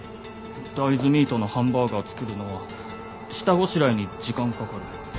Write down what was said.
大豆ミートのハンバーガー作るのは下ごしらえに時間かかる。